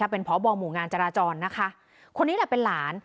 เป็นพบหมู่งานจราจรนะคะคนนี้แหละเป็นหลาน